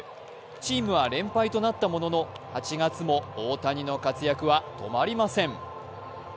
チームは連敗となったものの８月も大谷の活躍は止まりません。